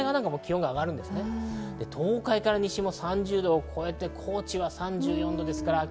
東海から西も３０度を超えて、高知は３４度。